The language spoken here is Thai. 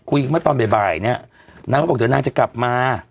เมื่อตอนบ่ายเนี่ยนางก็บอกเดี๋ยวนางจะกลับมา